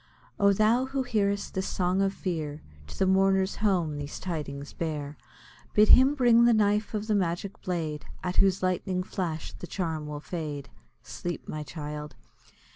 Oh! thou who hearest this song of fear, To the mourner's home these tidings bear. Bid him bring the knife of the magic blade, At whose lightning flash the charm will fade. Sleep, my child!